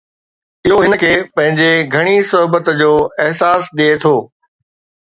اهو هن کي پنهنجي گهڻي صحبت جو احساس ڏئي ٿو